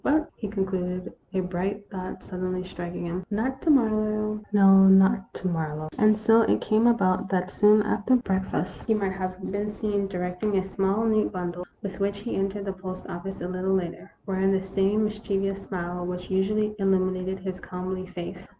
" But," he concluded, a bright thought suddenly striking him, "not to Marlowe no, not to Marlowe." And so it came about that soon after breakfast he might have been seen directing a small, neat bundle, with which he entered the post office a little later, wearing the same mischievous smile which usually illuminated his comely face.